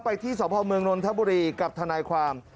ไปที่สมภาพเมืองนทบุรีกับธนายความ